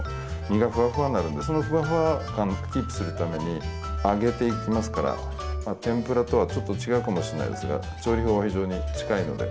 身がふわふわになるのでそのふわふわ感キープするために揚げていきますから天ぷらとはちょっと違うかもしれないですが調理法は非常に近いので。